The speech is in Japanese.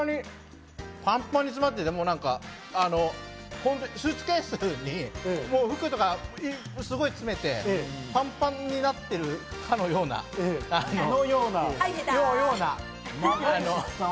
パンパンに詰まっていて、スーツケースに服とか詰めて、パンパンになっているかのような、あの。